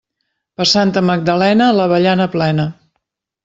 Per Santa Magdalena, l'avellana plena.